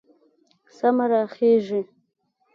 سمه راخېژي